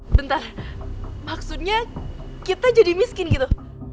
bentar maksudnya kita jadi miskin gitu